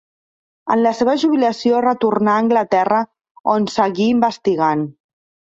En la seva jubilació retornà a Anglaterra on seguí investigant.